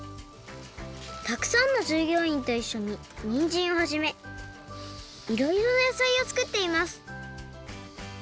たくさんのじゅうぎょういんといっしょににんじんをはじめいろいろなやさいをつくっています。